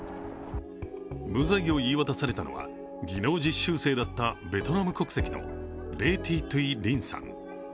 無罪を言い渡されたのは技能実習生だったベトナム国籍のレー・ティ・トゥイ・リンさん。